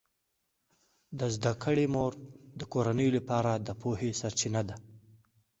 د زده کړې مور د کورنۍ لپاره د پوهې سرچینه ده.